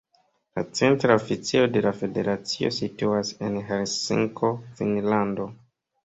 La centra oficejo de la federacio situas en Helsinko, Finnlando.